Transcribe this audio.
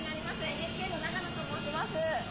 ＮＨＫの長野と申します。